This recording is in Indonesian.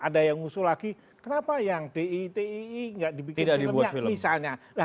ada yang ngusul lagi kenapa yang di tii nggak dibikin filmnya misalnya